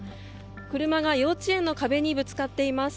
車が幼稚園の壁にぶつかっています。